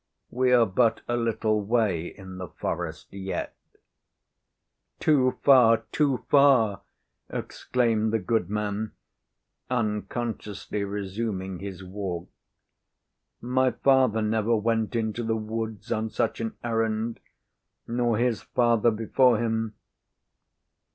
We are but a little way in the forest yet." "Too far! too far!" exclaimed the goodman, unconsciously resuming his walk. "My father never went into the woods on such an errand, nor his father before him.